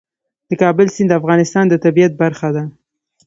د کابل سیند د افغانستان د طبیعت برخه ده.